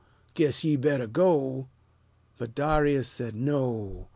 Guess ye better go." But Darius said, "No!